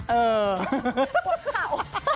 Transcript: เออ